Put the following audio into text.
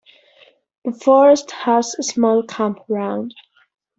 The forest has a small campground.